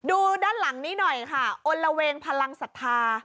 ดูด้านหลังนี้หน่อยค่ะอลละเวงพลังศรัทธา